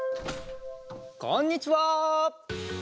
こんにちは！